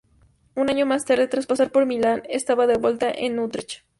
Un año más tarde, tras pasar por Milán, estaba de vuelta en Utrecht.